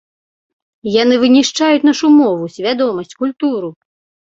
Яны вынішчаюць нашу мову, свядомасць, культуру!